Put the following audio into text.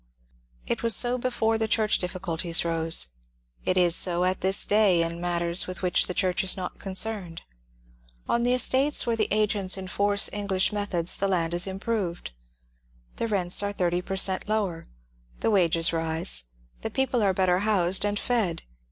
It was so before the church difficulties rose ; it is so at this day in matters with which the church is not eoncemed. On the estates where the agents enforce Eng lish methods the land is improved. The rents are thirty per cent, lower, the wages rise, the people are better housed and fed.